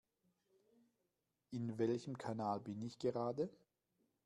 In welchem Kanal bin ich gerade?